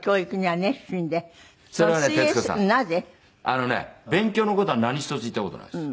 あのね勉強の事は何一つ言った事ないです。